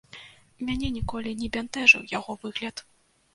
Мяне ніколі не бянтэжыў яго выгляд.